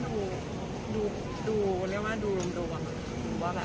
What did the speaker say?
คุณตัวมาเรียกเราทำอย่างมากขนาดไหน